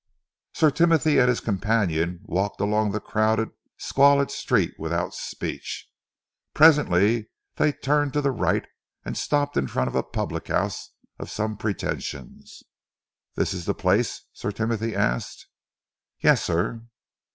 Sir Timothy and his companion walked along the crowded, squalid street without speech. Presently they turned to the right and stopped in front of a public house of some pretensions. "This is the place?" Sir Timothy asked. "Yes, sir!"